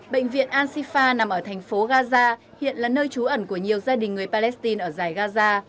bệnh viện ansifa nằm ở thành phố gaza hiện là nơi trú ẩn của nhiều gia đình người palestine ở giải gaza